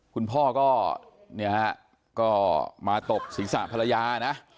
คุณพ่อก็มาตบศีรษะภรรยานะ